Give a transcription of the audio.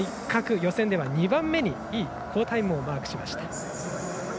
予選では２番目にいい好タイムをマークしました。